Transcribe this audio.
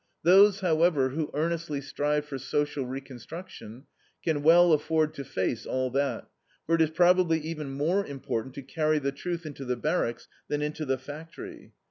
Those, however, who earnestly strive for social reconstruction can well afford to face all that; for it is probably even more important to carry the truth into the barracks than into the factory.